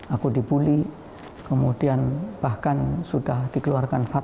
aku dibully kemudian bahkan sudah dikeluarkan fatwa murtad